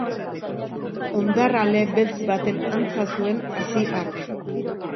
Hondar ale beltz baten antza zuen hazi hark.